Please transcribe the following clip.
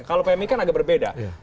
kalau pmi kan agak berbeda